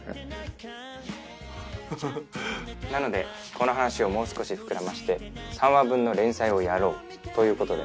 なのでこの話をもう少し膨らませて３話分の連載をやろうという事で。